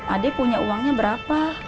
adik punya uangnya berapa